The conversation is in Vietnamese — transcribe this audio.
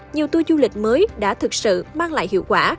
nhiều tour du lịch mới đã thực sự mang lại hiệu quả